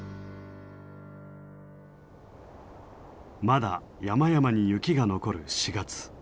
まだ山々に雪が残る４月。